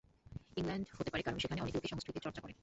ইংলণ্ডে হতে পারে, কারণ সেখানে অনেক লোকে সংস্কৃত চর্চা করে।